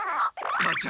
父ちゃん。